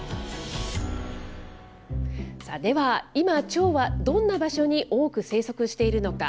では今、チョウはどんな場所に多く生息しているのか。